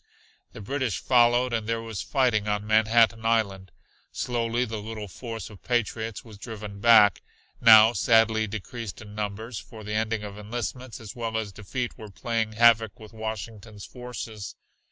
The British followed and there was fighting on Manhattan Island. Slowly the little force of patriots was driven back, now sadly decreased in numbers, for the ending of enlistments as well as defeat were playing havoc with Washington's forces.